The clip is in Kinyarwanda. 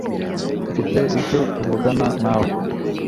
Mfite icyo tuvugana nawe.